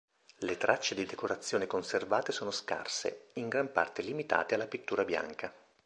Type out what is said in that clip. Le tracce di decorazione conservate sono scarse, in gran parte limitate alla pittura bianca.